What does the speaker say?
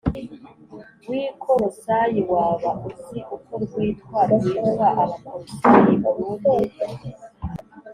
W i kolosayi waba uzi uko rwitwa rwitwa abakolosayi urundi